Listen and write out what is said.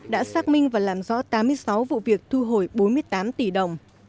đã xác minh và làm rõ tám mươi sáu vụ việc thu hồi bốn mươi tám tỷ đồng